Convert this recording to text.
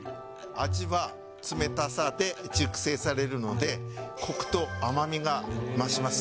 味は冷たさで熟成されるので、こくと甘みが増します。